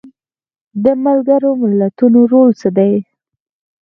د ملګرو ملتونو رول څه دی؟